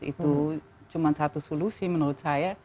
itu cuma satu solusi menurut saya